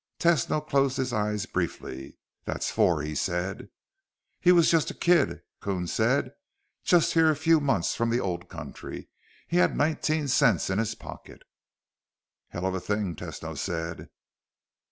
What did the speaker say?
Tesno closed his eyes briefly. "That's four," he said. "He was just a kid," Coons said. "Just here a few months from the old country. He had nineteen cents in his pocket." "Hell of a thing," Tesno said.